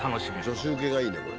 女子ウケがいいねこれ。